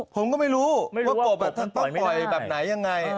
ผมก็ไม่รู้ว่ากบท่านต้องปล่อยแบบไหนยังไง